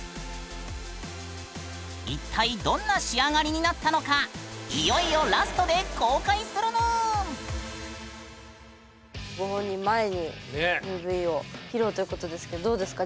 一体どんな仕上がりになったのかご本人前にＭＶを披露ということですけどどうですか？